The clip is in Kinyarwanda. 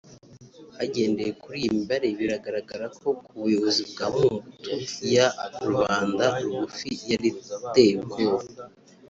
Hagendewe kuri iyi mibare bigaragara ko ku buyobozi bwa Mobutu ya rubanda rugufi yari iteye ubwoba